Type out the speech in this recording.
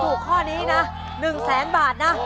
ข้อนี้นะ๑แสนบาทนะ